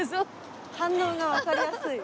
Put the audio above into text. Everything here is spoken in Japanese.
反応がわかりやすい。